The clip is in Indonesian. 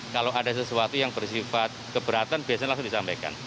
kalau ada sesuatu yang bersifat keberatan biasanya langsung disampaikan